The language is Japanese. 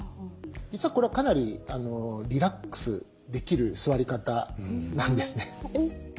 実はこれはかなりリラックスできる座り方なんですね。